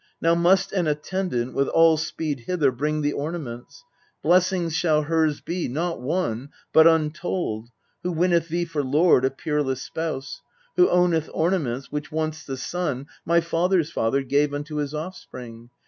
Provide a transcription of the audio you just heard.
Now must an attendant With all speed hither bring the ornaments. Blessings shall hers be, not one, but untold, Who winneth thee for lord, a peerless spouse, Who owneth ornaments which once the Sun, My father's father, gave unto his offspring